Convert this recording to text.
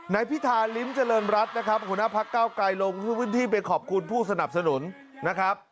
ในพิธาริมเจริญรัฐนะครับคุณภักดิ์ก้าวไกรลงที่วิทยาลงที่ไปขอบคุณผู้สนับสนุนนะครับ